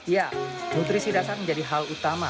ya nutrisi dasar menjadi hal utama